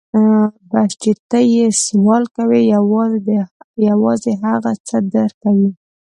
بس چې ته يې سوال کوې يوازې هغه څه در کوي.